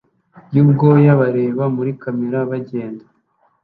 yubwoya bareba muri kamera bagenda